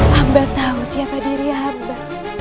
hamba tahu siapa diri hamba